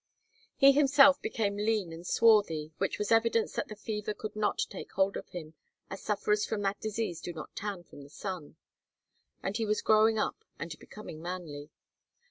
He himself became lean and swarthy, which was evidence that the fever would not take hold of him, as sufferers from that disease do not tan from the sun and he was growing up and becoming manly.